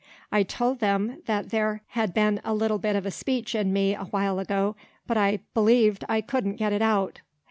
I told them that there had been a little bit of a speech in me a while ago, but I believed I couldn't get it out.